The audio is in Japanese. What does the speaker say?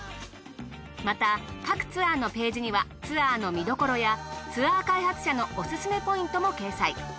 また各ツアーのページにはツアーの見どころやツアー開発者のおすすめポイントも掲載。